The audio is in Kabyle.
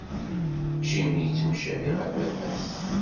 Jim yettemcabi ɣer baba-s.